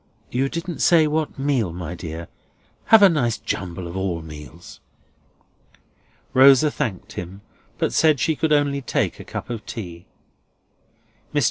You didn't say what meal, my dear. Have a nice jumble of all meals." Rosa thanked him, but said she could only take a cup of tea. Mr.